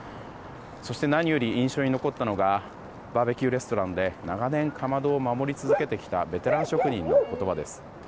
そして何より印象に残ったのがバーベキューレストランで長年かまどを守り続けてきたベテラン職人の言葉です。